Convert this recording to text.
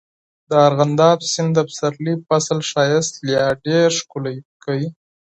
د ارغنداب سیند د پسرلي فصل ښایست لا ډېر ښکلی کوي.